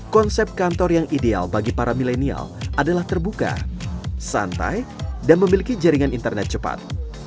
konsep kantor yang ideal bagi para milenial adalah terbuka santai dan memiliki jaringan internet cepat